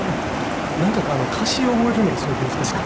なんか歌詞を覚えるのがすごく難しくて。